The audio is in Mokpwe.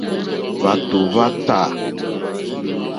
Hwàtò hwá tâ.